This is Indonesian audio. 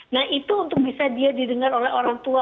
nah itu untuk bisa dia didengar oleh orang tua